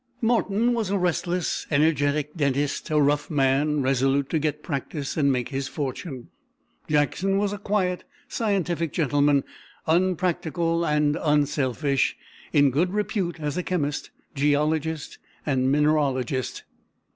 Morton was a restless, energetic dentist, a rough man, resolute to get practice and make his fortune. Jackson was a quiet, scientific gentleman, unpractical and unselfish, in good repute as a chemist, geologist, and mineralogist.